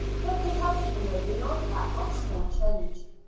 there could have been no real lack of small change.